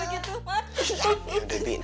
iya gak begitu